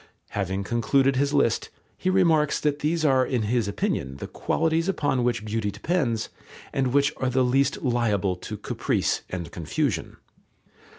Having concluded his list, he remarks that these are in his opinion the qualities upon which beauty depends and which are the least liable to caprice and confusion.